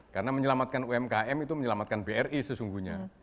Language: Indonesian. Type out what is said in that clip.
karena menyelamatkan umkm itu menyelamatkan bri sesungguhnya